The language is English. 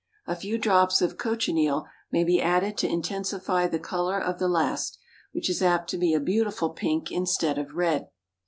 A few drops of cochineal may be added to intensify the color of the last, which is apt to be a beautiful pink instead of red.